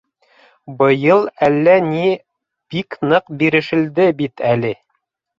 Быйыл әллә ни бик ныҡ бирешелде бит әле.